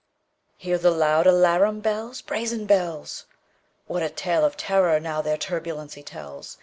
Hear the loud alarum bells, Brazen bells! What a tale of terror, now, their turbulency tells!